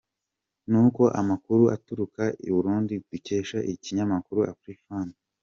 Nk’uko amakuru aturuka i Burundi dukesha ikinyamakuru Afrifame.